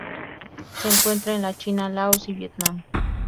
Se encuentra en la China, Laos y Vietnam.